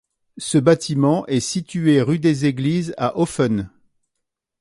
Ce bâtiment est situé rue des Églises à Hoffen.